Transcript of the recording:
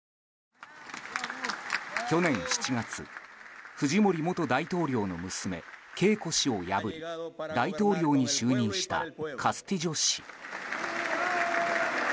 去年７月、フジモリ元大統領の娘ケイコ氏を破り大統領に就任したカスティジョ氏。